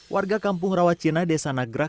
warga kampung rawa cina desa nagrak